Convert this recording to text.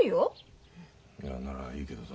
いやならいいけどさ。